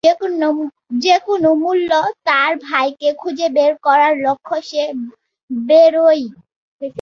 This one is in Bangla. যেকোনো মূল্যে তার ভাইকে খুঁজে বের করার লক্ষ্যে সে বেরোয়।